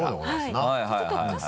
はいはい。